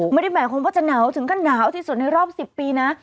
ไม่ได้หมายความว่าจะหนาวถึงก็หนาวที่สุดในรอบ๑๐ปีนะ